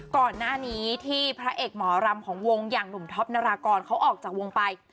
ก่อนหน้านี้ที่พระเอกหมอรำของวงอย่างหนุ่มท็อปนารากรเขาออกจากวงไป